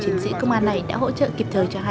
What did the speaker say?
xe lỏng đi